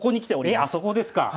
えそこですか！